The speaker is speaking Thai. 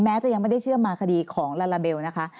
จะยังไม่ได้เชื่อมาคดีของลาลาเบลนะคะ